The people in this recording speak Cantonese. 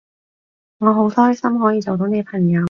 我好開心可以做到你朋友